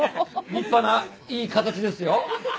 立派ないい形ですよ。